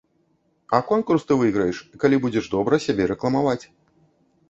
А конкурс ты выйграеш, калі будзеш добра сябе рэкламаваць.